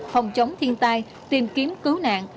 phòng chống thiên tai tìm kiếm cứu nạn